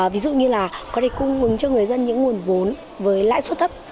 ví dụ như là có thể cung ứng cho người dân những nguồn vốn với lãi suất thấp